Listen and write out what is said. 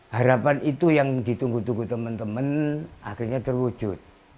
harapan itu yang ditunggu tunggu temen temen akhirnya terwujud